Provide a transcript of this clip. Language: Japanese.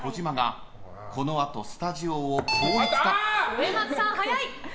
上松さん、早い！